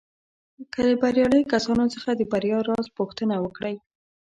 که د برياليو کسانو څخه د بريا راز پوښتنه وکړئ.